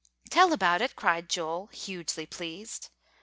"Tell about it," cried Joel, hugely pleased.